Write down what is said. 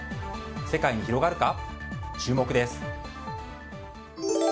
世界に広がるか、注目です。